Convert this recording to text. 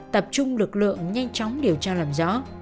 tập trung lực lượng nhanh chóng điều tra làm rõ